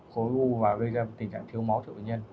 khối u và gây ra tình trạng thiếu máu cho bệnh nhân